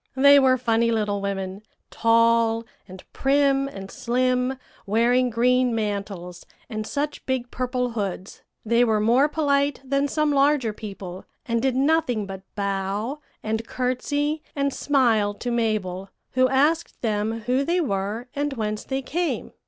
"They were funny little women tall, and prim, and slim, wearing green mantles and such big purple hoods. They were more polite than some larger people, and did nothing but bow, and courtesy, and smile to Mabel, who asked them who they were and whence they came.